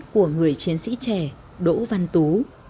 của người chiến sĩ trẻ đỗ văn tú